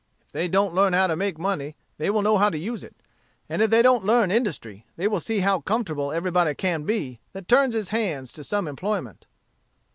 If they don't learn how to make money, they will know how to use it; and if they don't learn industry, they will see how comfortable everybody can be that turns his hands to some employment."